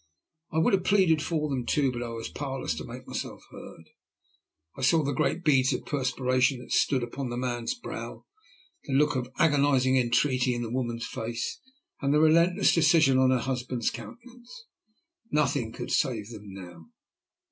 I would have pleaded for them too, but I was powerless to make myself heard. I saw the great beads of perspiration that stood upon the man's brow, the look of agonizing entreaty in the woman's face, and the relentless decision on her husband's countenance. Nothing could save them now.